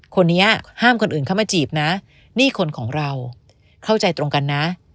คนนี้ห้ามคนอื่นเข้ามาจีบนะนี่คนของเราเข้าใจตรงกันนะ